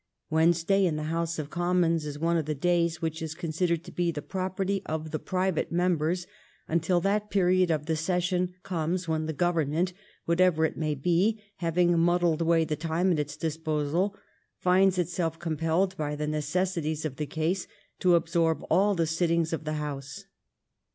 Wednesday in the House of Commons is one of the days which is considered to be the property of the private members until that period of the session comes when the Govern ment, whatever it may be, having muddled away the time at its disposal, finds itself compelled by the necessities of the case to absorb all the sittings of the House.